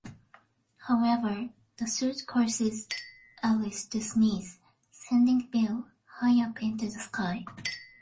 However, the soot causes Alice to sneeze, sending Bill high up into the sky.